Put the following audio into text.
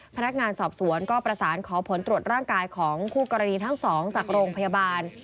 พนักงานสอบสวนก็ประสานขอผลตรวจร่างกายของคู่กรณีทั้งสองจากโรงพยาบาล